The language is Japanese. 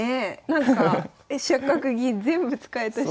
なんか飛車角銀全部使えたし。